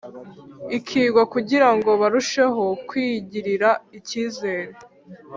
ikigwa kugira ngo barusheho kwigirira ikizere